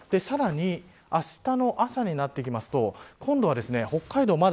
さらにあしたの朝になってくると今度は北海道